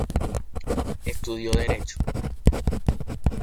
Estudió derecho.